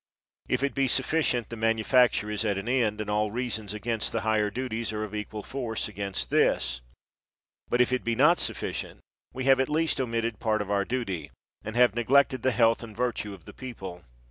If 170 CHESTERFIELD it be sufficient, the manufacture is at an end, and all the reasons against the higher duties are of equal force against this; but if it be not suf ficient, we have at least omitted part of our duty, and have neglected the health and virtue of the people.